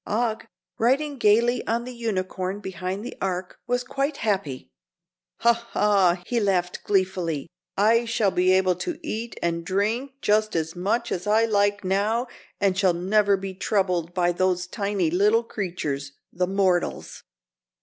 Og, riding gaily on the unicorn behind the Ark, was quite happy. "Ha, ha!" he laughed gleefully. "I shall be able to eat and drink just as much as I like now and shall never be troubled by those tiny little creatures, the mortals."